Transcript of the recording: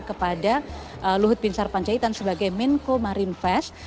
kepada luhut bin sarpanjaitan sebagai minco marine fest